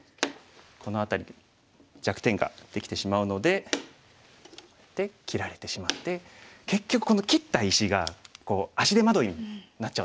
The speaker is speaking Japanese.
この辺り弱点ができてしまうので切られてしまって結局この切った石が足手まといになっちゃうんですよ。